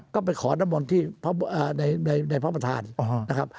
ก็ไปขอนมนตร์ที่ในพระมธานนะครับ